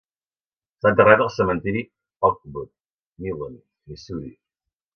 Està enterrat al cementiri Oakwood, Milan, Missouri.